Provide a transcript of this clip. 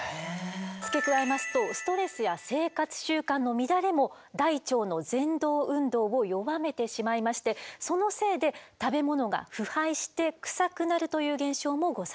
付け加えますとストレスや生活習慣の乱れも大腸のぜん動運動を弱めてしまいましてそのせいで食べ物が腐敗してクサくなるという現象もございます。